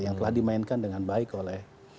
yang telah dimainkan dengan baik oleh